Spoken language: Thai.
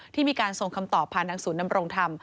ที่มีการส่งคำตอบผ่านทางศูนย์นำรงธรรม